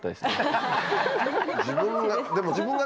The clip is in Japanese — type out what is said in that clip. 自分が？